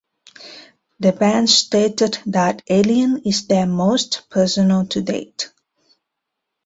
The band stated that "Alien" is their most personal to date.